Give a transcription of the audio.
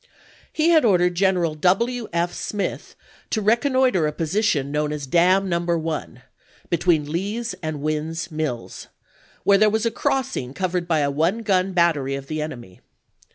He had ordered General W. F. Smith to reconnoiter a position known as Dam No. 1, between Lee's and Wynn's Mills, where there was a crossing covered by a one gun battery of the enemy.